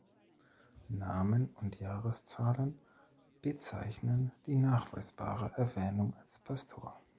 Namen und Jahreszahlen bezeichnen die nachweisbare Erwähnung als Pastor.